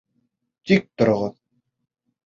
Тик тороғоҙ!..